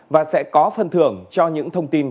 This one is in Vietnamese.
và sẽ có phân thưởng cho những thông tin